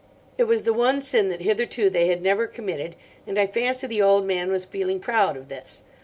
It was the one sin that hitherto they had never committed, and I fancy the old man was feeling proud of this.